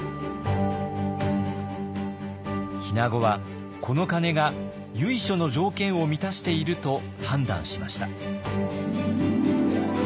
日名子はこの鐘が由緒の条件を満たしていると判断しました。